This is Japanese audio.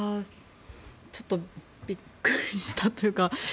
ちょっとビックリしたというか。